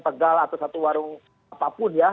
tegal atau satu warung apapun ya